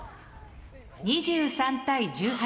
２３対１８。